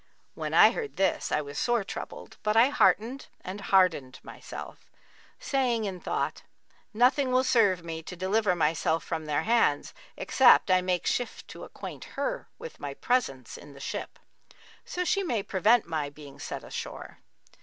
When I heard this, I was sore troubled but I heartened and hardened myself, saying in thought, 'Nothing will serve me to deliver myself from their hands, except I make shift to acquaint her with my presence in the ship, so she may prevent my being set ashore.'